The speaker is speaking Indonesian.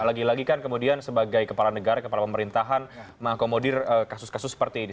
lagi lagi kan kemudian sebagai kepala negara kepala pemerintahan mengakomodir kasus kasus seperti ini